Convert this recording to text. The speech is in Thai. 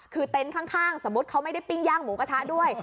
คือเต็นต์ข้างสมมุติเขาไม่ได้ปิ้งย่างหมูกระทะด้วย